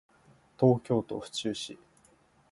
東京都府中市